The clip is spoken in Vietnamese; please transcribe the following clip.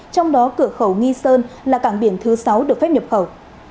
trong đó cửa khẩu nghi sơn là cảng biển thứ sáu được phép nhập khẩu